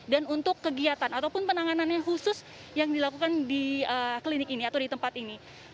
dan untuk kegiatan ataupun penanganannya khusus yang dilakukan di klinik ini atau di tempat ini